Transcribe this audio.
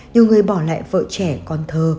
nhiều người bỏ lại vợ trẻ con thơ